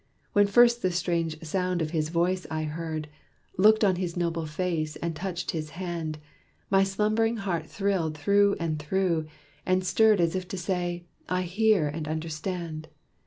When first the strange sound of his voice I heard, Looked on his noble face, and touched his hand, My slumb'ring heart thrilled through and through, and stirred As if to say, 'I hear, and understand.'